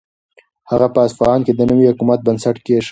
هغه په اصفهان کې د نوي حکومت بنسټ کېښود.